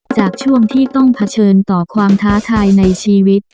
จากช่วงที่ต้องเผชิญต่อความท้าทายในชีวิต